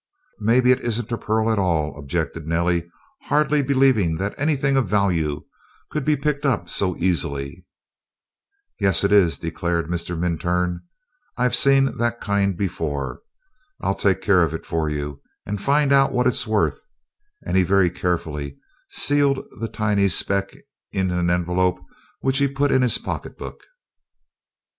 "Maybe it isn't a pearl at all," objected Nellie, hardly believing that anything of value could be picked up so easily. "Yes, it is," declared Mr. Minturn. "I've seen that kind before. I'll take care of it for you, and find out what it is worth," and he very carefully sealed the tiny speck in an envelope which he put in his pocketbook.